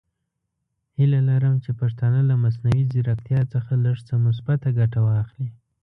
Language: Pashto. هیله لرم چې پښتانه له مصنوعي زیرکتیا څخه لږ څه مثبته ګټه واخلي.